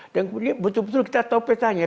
dan kemudian betul betul kita tahu petanya